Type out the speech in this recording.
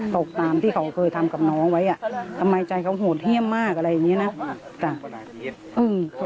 ตกตามที่เขาเคยทำกับน้องไว้อ่ะทำไมใจเขาโหดเยี่ยมมากอะไรอย่างเงี้นะจ้ะ